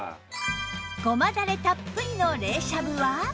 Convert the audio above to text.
ごまだれたっぷりの冷しゃぶは？